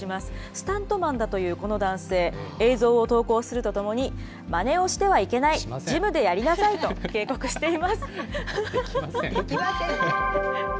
スタントマンだというこの男性、映像を投稿するとともに、まねをしてはいけない、ジムでやりなさできません。